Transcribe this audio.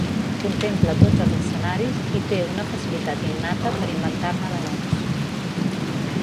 Contempla tots els escenaris i té una facilitat innata per inventar-ne de nous.